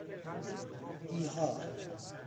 ایحاء